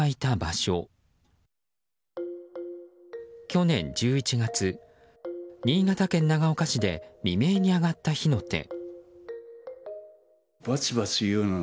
去年１１月、新潟県長岡市で未明に上がった火の手。